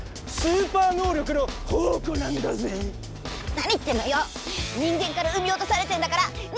何言ってんのよ！